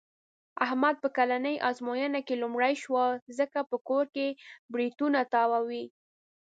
احمد په کلنۍ ازموینه کې لومړی شو. ځکه په کور کې برېتونه تاووي.